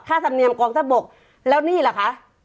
ค่าธรรมเนียมกองท่านบกแล้วนี่แหละค่ะ